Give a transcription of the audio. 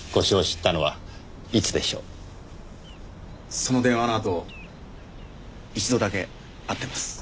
その電話のあと一度だけ会ってます。